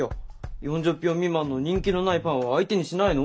４０票未満の人気のないパンは相手にしないの？